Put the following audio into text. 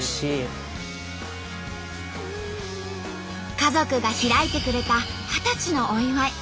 家族が開いてくれた二十歳のお祝い。